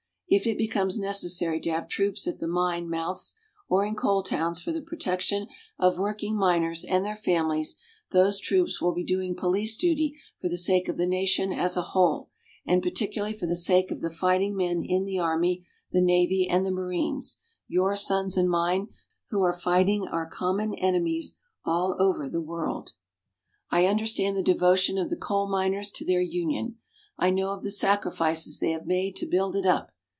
If it becomes necessary to have troops at the mine mouths or in coal towns for the protection of working miners and their families, those troops will be doing police duty for the sake of the nation as a whole, and particularly for the sake of the fighting men in the Army, the Navy and the Marines your sons and mine who are fighting our common enemies all over the world. I understand the devotion of the coal miners to their union. I know of the sacrifices they have made to build it up.